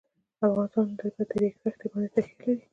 افغانستان په د ریګ دښتې باندې تکیه لري.